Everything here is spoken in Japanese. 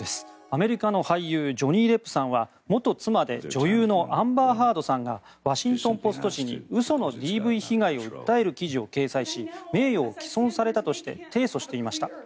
アメリカの俳優ジョニー・デップさんは元妻で女優のアンバー・ハードさんがワシントン・ポスト紙に嘘のＤＶ被害を訴える記事を掲載し名誉を棄損されたとして提訴していました。